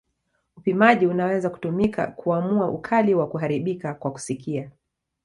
Upimaji unaweza kutumika kuamua ukali wa kuharibika kwa kusikia.